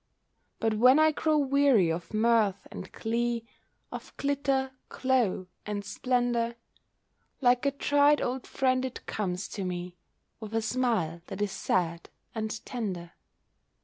But when I grow weary of mirth and glee, Of glitter, glow, and splendour, Like a tried old friend it comes to me, With a smile that is sad and tender.